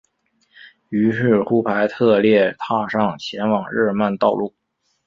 于是乎腓特烈踏上前往日尔曼的道路。